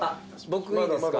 僕いいですか？